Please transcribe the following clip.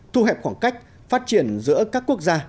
thu hẹp khoảng cách phát triển giữa các quốc gia